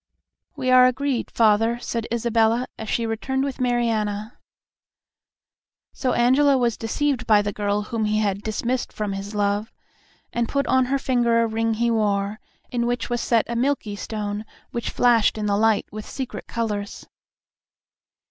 "We are agreed, father," said Isabella, as she returned with Mariana. So Angelo was deceived by the girl whom he had dismissed from his love, and put on her finger a ring he wore, in which was set a milky stone which flashed in the light with secret colors.